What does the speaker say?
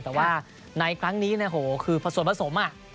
แต่ว่าในครั้งนี้โอ้โฮคือผสมอะ